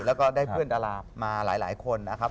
แล้วก็ได้เพื่อนดารามาหลายคนนะครับ